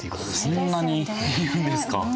そんなにいるんですか。